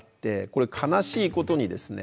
悲しいことにですね